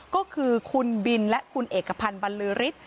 ก็คือคุณบินและคุณเอกพันธ์บรรลือฤทธิ์